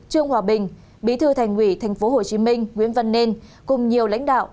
trương hòa bình bí thư thành ủy tp hcm nguyễn văn nên cùng nhiều lãnh đạo